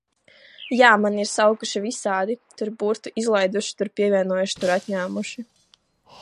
Jā, mani ir saukuši visādi, tur burtu izlaiduši, tur pievienojuši, tur atņēmuši.